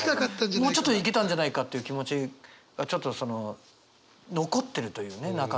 もうちょっといけたんじゃないかっていう気持ちがちょっと残ってるというね中に。